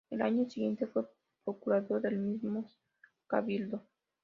Al año siguiente fue procurador del mismo Cabildo.